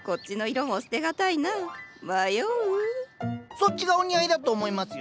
そっちがお似合いだと思いますよ。